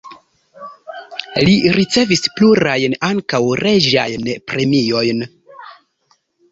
Li ricevis plurajn, ankaŭ reĝajn premiojn.